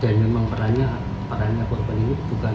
dan memang perannya korupan ini bukan